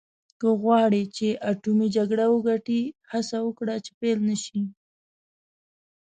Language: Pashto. که غواړې چې اټومي جګړه وګټې هڅه وکړه چې پیل نه شي.